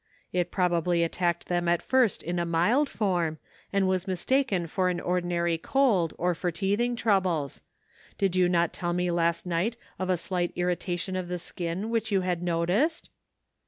It proba bly attacked them at first in a mild form, and was mistaken for an ordinary cold, or for teeth ing troubles ; did you not tell me last night of a slight irritation of the skin which you had noticed